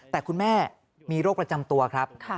แต่คุณแม่มีโรคประจำตัวครับ